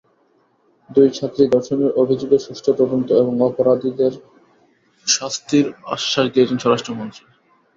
দুই ছাত্রী ধর্ষণের অভিযোগের সুষ্ঠু তদন্ত এবং অপরাধীদের শাস্তির আশ্বাস দিয়েছেন স্বরাষ্ট্রমন্ত্রী।